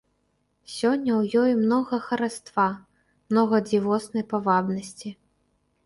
Сёння ў ёй многа хараства, многа дзівоснай павабнасці.